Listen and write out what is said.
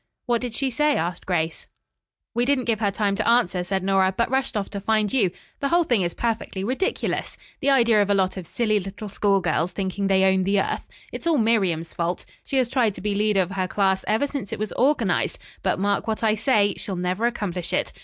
"What did she say?" asked Grace. "We didn't give her time to answer," said Nora, "but rushed off to find you. The whole thing is perfectly ridiculous! The idea of a lot of silly little school girls thinking they own the earth. It's all Miriam's fault. She has tried to be leader of her class ever since it was organized but mark what I say, she'll never accomplish it.